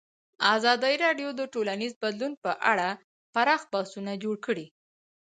ازادي راډیو د ټولنیز بدلون په اړه پراخ بحثونه جوړ کړي.